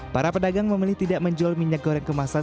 para pedagang memilih tidak menjual minyak goreng kemasan